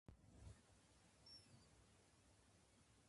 Her team was able to deliver regular reports of their work.